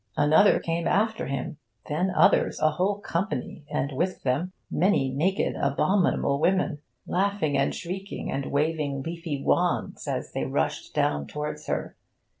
Another came after him. Then others, a whole company, and with them many naked, abominable women, laughing and shrieking and waving leafy wands, as they rushed down towards her.